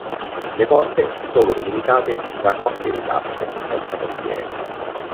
Le porte sono delimitate da coppie di casse, senza portiere.